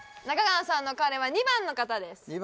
中川さんの彼は２番の方です